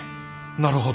なるほど